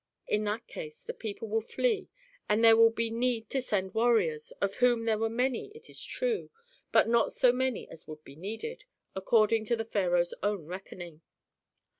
In that case the people will flee and there will be need to send warriors, of whom there were many it is true, but not so many as would be needed, according to the pharaoh's own reckoning.